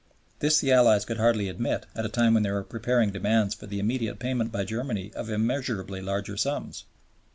This the Allies could hardly admit at a time when they were preparing demands for the immediate payment by Germany of immeasurably larger sums.